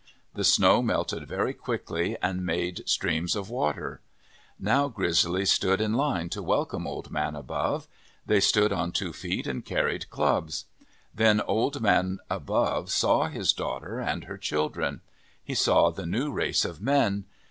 The snow melted very quickly and made streams of water. Now Grizzlies stood in line to welcome Old Man Above. They stood on two feet and carried clubs. Then Old Man Above saw his daughter and her children. He saw the new race of men.